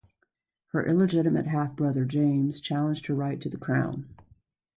Her illegitimate half-brother, James, challenged her right to the crown.